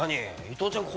伊東ちゃん